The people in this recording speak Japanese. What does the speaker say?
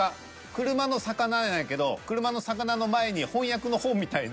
「車」の「魚」なんやけど「車」の「魚」の前に翻訳の「翻」みたいな。